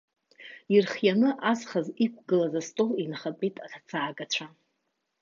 Ирхианы азхаз иқәгылаз астол инахатәеит аҭацаагацәа.